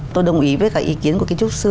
tôi đồng ý với cả ý kiến của kiến trúc sư